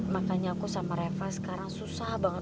makanya aku sama reva sekarang susah banget